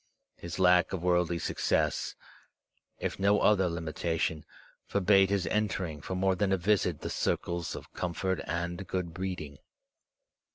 His lack of worldly success, if no other limitation, forbade his entering for more than a visit the circles of comfort and good breeding.